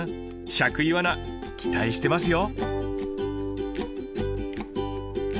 尺イワナ期待してますよ！